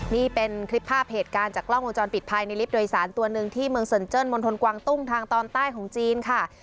นี่เป็นคลิปภาพเหตุการณ์จากกล้องวงจรปิดภายในลิฟต์โดยสารตัวหนึ่งที่เมืองเซินเจิ้นมณฑลกวางตุ้งทางตอนใต้ของจีนค่ะ